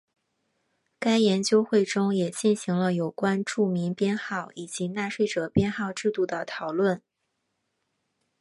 该研究会中也进行了有关住民编号以及纳税者编号制度的讨论。